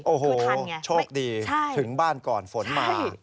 โอ้โหโชคดีถึงบ้านก่อนฝนมา